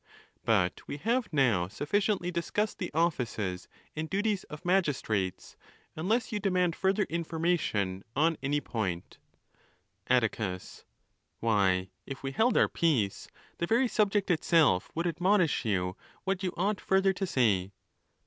But we have now sufficiently discussed the offices and duties of magistrates, unless you demand further information on any point, _ Atticus.—Why, if we held our peace, the very subject itself would admonish you what you ought further to say.